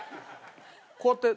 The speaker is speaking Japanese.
こうやって。